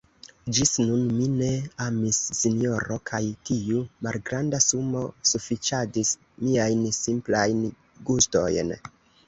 Ĝis nun, mi ne amis, sinjoro, kaj tiu malgranda sumo sufiĉadis miajn simplajn gustojn.